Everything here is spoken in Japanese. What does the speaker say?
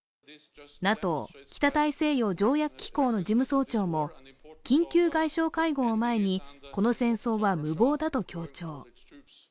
ＮＡＴＯ＝北大西洋条約機構の事務総長も緊急外相会合を前にこの戦争は無謀だと強調。